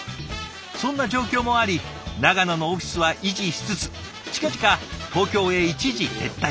そんな状況もあり長野のオフィスは維持しつつ近々東京へ一時撤退。